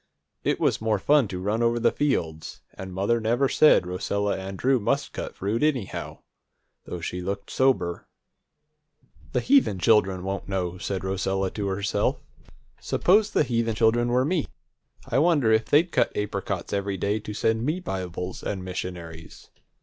It was more fun to run over the fields, and mother never said Rosella and Drew must cut fruit, anyhow, though she looked sober. "The heathen children won't know," said Rosella to herself. "Suppose the heathen children were me, I wonder if they'd cut apricots every day to send me Bibles and missionaries?